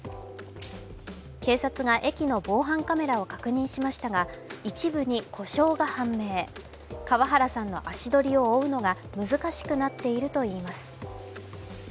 警察が駅の防犯カメラを確認しましたが一部に故障が判明、川原さんの足取りを追うのが難しくなっているといいます。